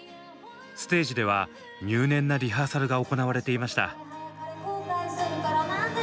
ステージでは入念なリハーサルが行われていました。